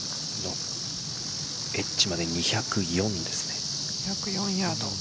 エッジまで２０４です。